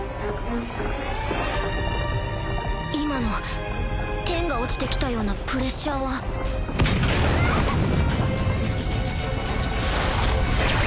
今の天が落ちて来たようなプレッシャーはあっ！